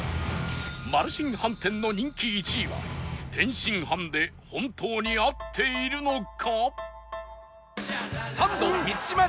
マルシン飯店の人気１位は天津飯で本当に合っているのか？